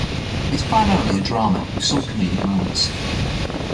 It is primarily a drama with some comedic moments.